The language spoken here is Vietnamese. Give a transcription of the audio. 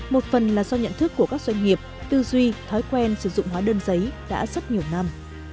một phần là do nhận thức của các doanh nghiệp tư duy thói quen sử dụng hóa đơn giấy đã rất nhiều năm